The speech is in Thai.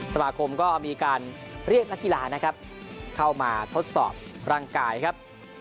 สมาคมก็มีการเรียกนักกีฬานะครับเข้ามาทดสอบร่างกายครับ